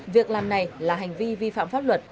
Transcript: việc làm này là hành vi vi phạm pháp luật